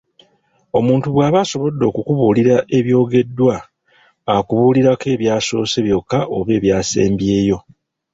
Omuntu bw'aba asobodde okukubuulira ebyogeddwa akubuulirako by'asoose byokka oba ebayasembyeyo!